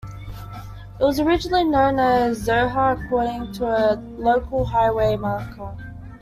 It was originally known as "Zohar" according to a local highway marker.